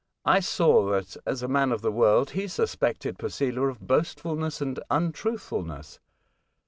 I saw that, as a man of the world, h< suspected Posela of boastfulness and untruth , fulness.